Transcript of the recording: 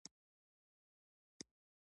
آیا هنرمندان خپل اثار نه پلوري؟